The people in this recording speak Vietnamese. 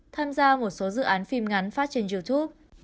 tham gia một số dự án phim ngắn phát trên youtube